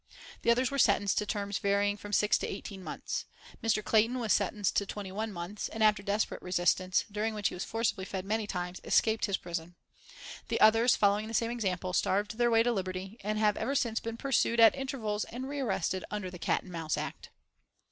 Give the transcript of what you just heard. The others were sentenced to terms varying from six to eighteen months. Mr. Clayton was sentenced to twenty one months, and after desperate resistance, during which he was forcibly fed many times, escaped his prison. The others, following the same example, starved their way to liberty, and have ever since been pursued at intervals and rearrested under the Cat and Mouse Act.